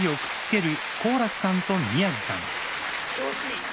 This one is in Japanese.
調子いい。